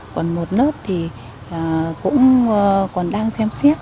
còn một lớp thì cũng còn đang xem xét